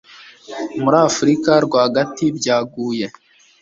muri Afurika rwagati byaguye